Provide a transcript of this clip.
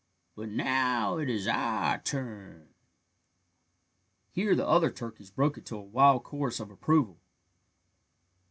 But now it is our turn." Here the other turkeys broke into a wild chorus of approval.